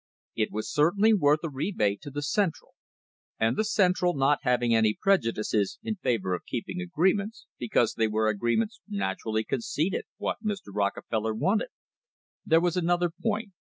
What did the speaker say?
It was certainly worth a rebate to the Central, and the Central not having any prejudices in favour of keep ing agreements because they were agreements naturally con ceded what Mr. Rockefeller wanted. There was another point.